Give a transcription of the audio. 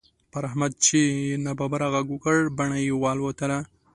پر احمد چې يې ناببره غږ وکړ؛ بڼه يې والوته.